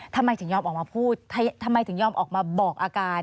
ทำไมถึงยอมออกมาพูดทำไมถึงยอมออกมาบอกอาการ